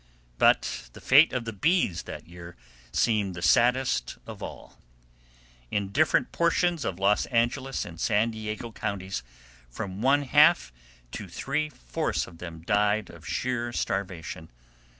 But the fate of the bees that year seemed the saddest of all. In different portions of Los Angeles and San Diego counties, from one half to three fourths of them died of sheer starvation.